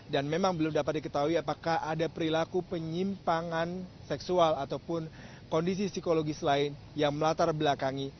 dan memang belum dapat diketahui apakah ada perilaku penyimpangan seksual ataupun kondisi psikologis lain yang melatar belakangi